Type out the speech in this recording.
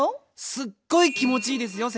すっごい気持ちいいですよ先生。